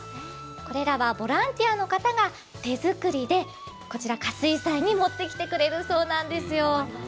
これらはボランティアの方が手作りで可睡斎に持ってきてくれるそうです。